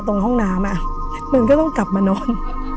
ตรงห้องน้ำมันก็ต้องกลับมานอน